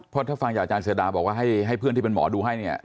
เพราะถ้าฟังจากอาจารย์เสือดาบอกว่าให้เพื่อนที่เป็นหมอดูให้เนี่ย